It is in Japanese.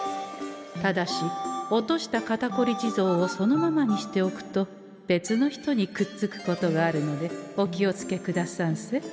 ただし落とした肩こり地蔵をそのままにしておくと別の人にくっつくことがあるのでお気を付けくださんせ。